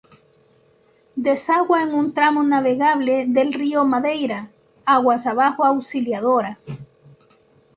Desagua en un tramo navegable del río Madeira, aguas abajo Auxiliadora.